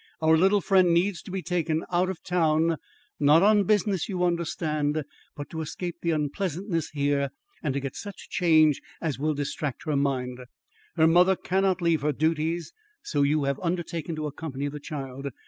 Our little friend needs to be taken out of town, not on business you understand, but to escape the unpleasantness here and to get such change as will distract her mind. Her mother cannot leave her duties, so you have undertaken to accompany the child.